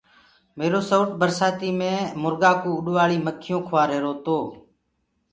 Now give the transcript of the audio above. ميرو سئوُٽ برسآتي مي مرگآ ڪوُ اُڏوآݪيٚ مکيونٚ کوآ رهيرو تو۔